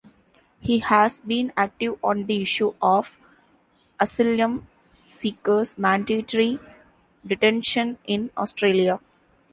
He has been active on the issue of asylum seekers' mandatory detention in Australia.